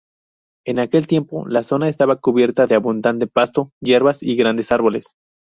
En aquel tiempo, la zona estaba cubierta de abundante pasto, hierbas y grandes árboles.